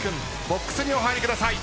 ボックスにお入りください。